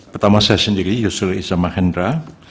pertama saya sendiri yusuf izzah mahendra